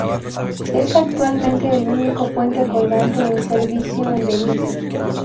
Es actualmente el único puente colgante en servicio en Belice.